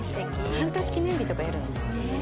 半年記念日とかやるの？